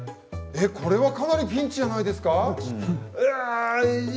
これはかなりピンチじゃないですか？